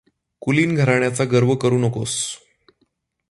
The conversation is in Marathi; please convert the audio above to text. कुलीन घराण्याचा गर्व करू नकोस.